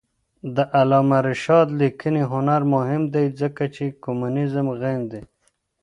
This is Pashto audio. د علامه رشاد لیکنی هنر مهم دی ځکه چې کمونیزم غندي.